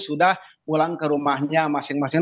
sudah pulang ke rumahnya masing masing